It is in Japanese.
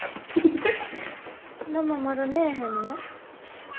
ママまだ寝ぇへんの？